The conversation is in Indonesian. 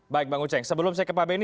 baik bang ucheng sebelum saya ke pak benny